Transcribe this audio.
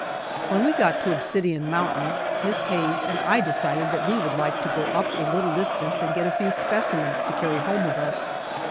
When we got to Obsidian Mountain, Miss Hayes and I decided that we would like to go up a little distance and get a few specimens to carry home with us.